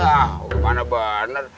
ah gimana bener